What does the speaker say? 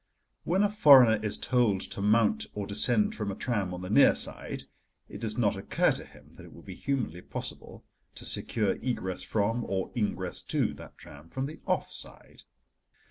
When a foreigner is told to mount or descend from a tram on the near side, it does not occur to him that it would be humanly possible to secure egress from or ingress to that tram from the off side.